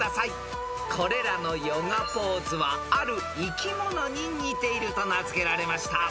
［これらのヨガポーズはある生き物に似ていると名付けられました］